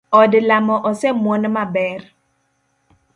Od lamo osemwon maber.